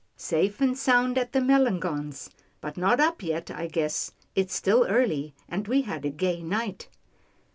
" Safe and sound at the Melangons', but not up yet, I guess. It's still early, and we had a gay night."